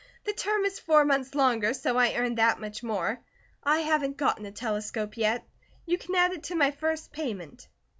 The term is four months longer, so I earn that much more. I haven't gotten a telescope yet. You can add it to my first payment."